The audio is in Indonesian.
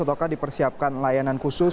ataukah dipersiapkan layanan khusus